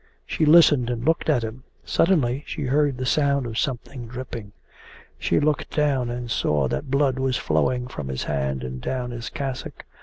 She listened and looked at him. Suddenly she heard the sound of something dripping. She looked down and saw that blood was flowing from his hand and down his cassock.